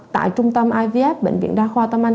tại trung tâm ivf bệnh viện đa khoa tâm anh